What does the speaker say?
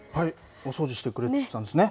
お掃除してくれてたんですね。